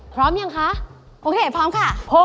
พร้อมยังคะโอเคพร้อมค่ะ